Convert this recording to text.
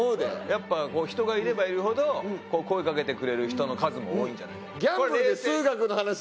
やっぱこう人がいればいるほど声かけてくれる人の数も多いんじゃないか。